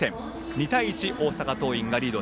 ２対１、大阪桐蔭がリード。